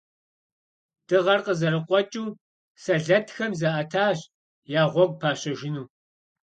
Дыгъэр къызэрыкъуэкӏыу, сэлэтхэм заӏэтащ я гъуэгу пащэжыну.